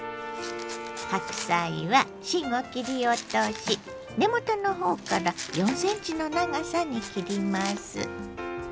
白菜は芯を切り落とし根元のほうから４ｃｍの長さに切ります。